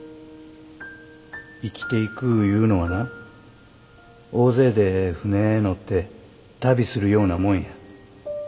生きていくいうのはな大勢で船へ乗って旅するようなもんや。